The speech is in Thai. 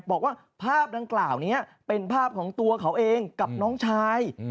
บอกว่าภาพดังกล่าวนี้เป็นภาพของตัวเขาเองกับน้องชาย